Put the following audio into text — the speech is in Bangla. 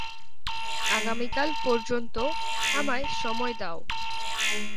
আগামীকাল পর্যন্ত আমায় সময় দাও।